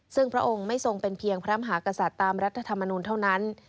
ซึ่งพระองค์ไม่ทรงเป็นเพียงพระมหากษัตริย์ตามรัฐธรรมนูลเท่านั้น